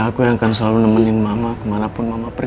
aku yang akan selalu nemenin mama kemana pun mama pergi